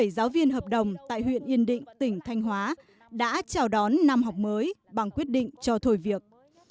sáu trăm bốn mươi bảy giáo viên hợp đồng tại huyện yên định tỉnh thanh hóa đã chào đón năm học mới bằng quyết định cho thời việc